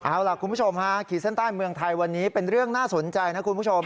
เอาล่ะคุณผู้ชมฮะขีดเส้นใต้เมืองไทยวันนี้เป็นเรื่องน่าสนใจนะคุณผู้ชม